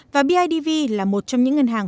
và bidv là một trong những ngân hàng